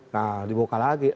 nah dibuka lagi